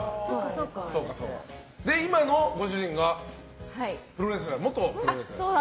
今のご主人が元プロレスラー。